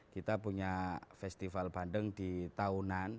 kita punya festival bandeng di tahunan